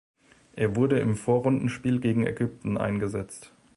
Er wurde im Vorrundenspiel gegen Ägypten eingesetzt.